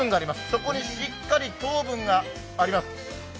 そこにしっかり糖分があります。